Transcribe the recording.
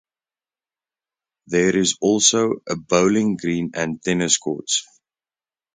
There is also a bowling green and tennis courts.